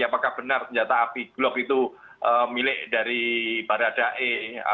apakah benar senjata api glock itu milik dari barat d a e